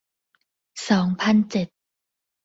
สองพันเจ็ด